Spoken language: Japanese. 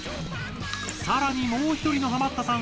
更にもう一人のハマったさん